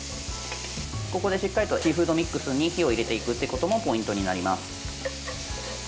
ここでしっかりとシーフードミックスに火を入れていくということもポイントになります。